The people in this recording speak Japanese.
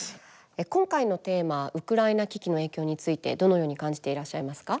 今回のテーマウクライナ危機の影響についてどのように感じていらっしゃいますか？